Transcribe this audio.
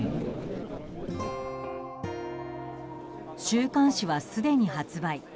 週刊誌は、すでに発売。